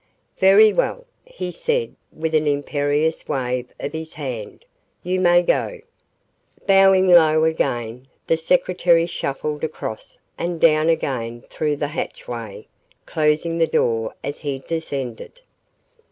"Very well," he said with an imperious wave of his hand. "You may go." Bowing low again, the secretary shuffled across and down again through the hatchway, closing the door as he descended.